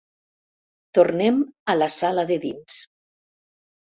Tornem a la sala de dins.